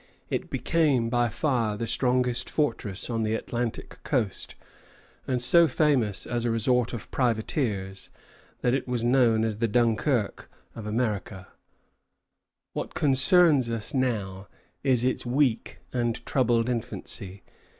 It became by far the strongest fortress on the Atlantic coast, and so famous as a resort of privateers that it was known as the Dunquerque of America. What concerns us now is its weak and troubled infancy.